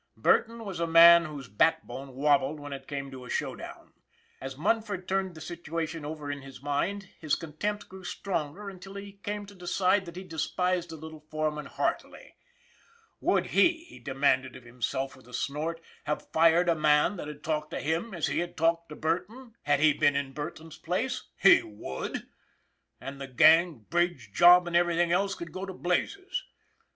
Burton was a man whose backbone wobbled when it came to a showdown ! As Munford turned the situation over in his mind his contempt grew stronger until he came to decide that he despised the little foreman heartily. Would he, he demanded of himself with a snort, have fired a man that had talked to him as he had talked to Burton, had he been in Burton's place? He would! And the gang, bridge, job and everything else could go to blazes!